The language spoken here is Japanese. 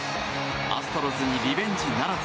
アストロズにリベンジならず。